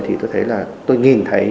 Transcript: thì tôi thấy là tôi nhìn thấy